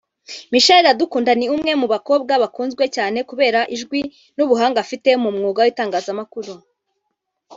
Michelle Iradukunda ni umwe mu bakobwa bakunzwe cyane kubera ijwi n’ubuhanga afite mu mwuga w’itangazamakuru